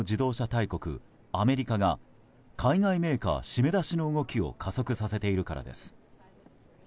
大国アメリカが海外メーカー締め出しの動きを加速させているからです。